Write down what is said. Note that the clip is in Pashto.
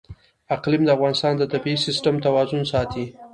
اقلیم د افغانستان د طبعي سیسټم توازن ساتي.